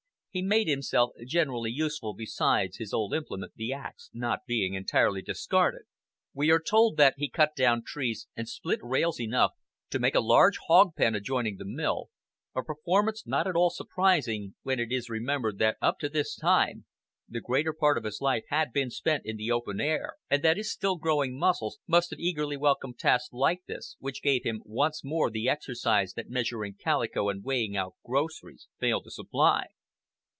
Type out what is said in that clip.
He made himself generally useful besides, his old implement, the ax, not being entirely discarded. We are told that he cut down trees and split rails enough to make a large hogpen adjoining the mill, a performance not at all surprising when it is remembered that up to this time the greater part of his life had been spent in the open air, and that his still growing muscles must have eagerly welcomed tasks like this, which gave him once more the exercise that measuring calico and weighing out groceries failed to supply.